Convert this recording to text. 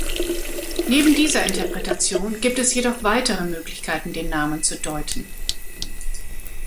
Neben dieser Interpretation gibt es jedoch weitere Möglichkeiten den Namen zu deuten.